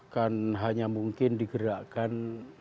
kan hanya mungkin digerakan